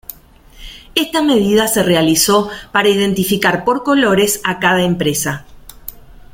Esta medida se realizó para identificar por colores a cada empresa.